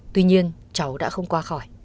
tuy nhiên cháu đã không qua khỏi